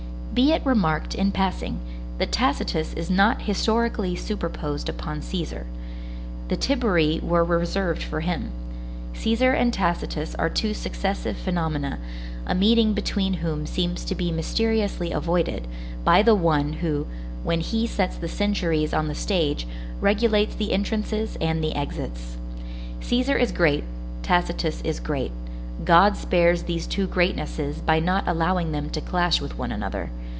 Be it remarked, in passing, that Tacitus is not historically superposed upon Cæsar. The Tiberii were reserved for him. Cæsar and Tacitus are two successive phenomena, a meeting between whom seems to be mysteriously avoided, by the One who, when He sets the centuries on the stage, regulates the entrances and the exits. Cæsar is great, Tacitus is great; God spares these two greatnesses by not allowing them to clash with one another.